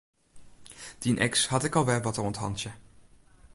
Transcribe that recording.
Dyn eks hat ek al wer wat oan 't hantsje.